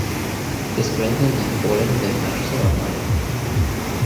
Desprenden el polen de marzo a mayo.